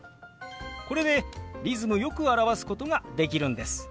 これでリズムよく表すことができるんです。